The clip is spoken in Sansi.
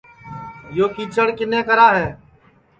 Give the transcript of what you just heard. یو کیچڑ کِنے کرا ہے